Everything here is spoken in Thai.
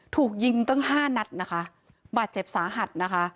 ถูกยิงตั้งห้านัดนะคะบาดเจ็บสาหัสนะคะ